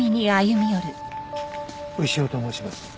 牛尾と申します。